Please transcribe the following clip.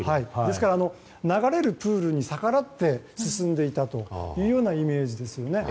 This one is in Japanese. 流れるプールに逆らって進んでいたというイメージですね。